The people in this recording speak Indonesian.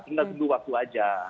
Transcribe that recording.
tinggal tunggu waktu saja